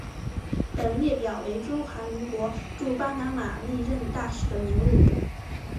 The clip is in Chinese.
本列表为中华民国驻巴拿马历任大使的名录。